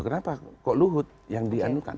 oh kenapa kok luhut yang dianukan